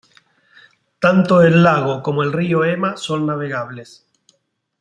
Tanto el lago como el río Ema son navegables.